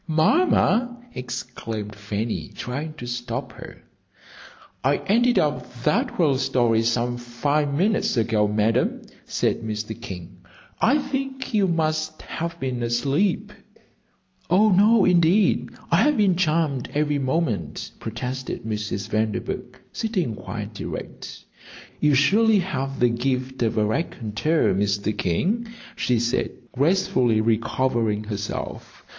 "Mamma!" exclaimed Fanny, trying to stop her. "I ended up that whale some five minutes ago, Madam," said Mr. King. "I think you must have been asleep." "Oh, no, indeed, I have been charmed every moment," protested Mrs. Vanderburgh sitting quite erect. "You surely have the gift of a raconteur, Mr. King," she said, gracefully recovering herself.